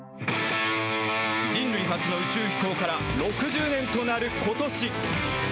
人類初の宇宙飛行から６０年となることし。